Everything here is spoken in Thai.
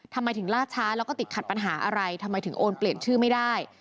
ทำไมถึงล่าช้าแล้วก็ติดขัดปัญหาอะไรทำไมถึงโอนเปลี่ยนชื่อไม่ได้